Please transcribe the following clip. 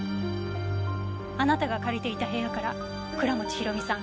あなたが借りていた部屋から倉持広美さん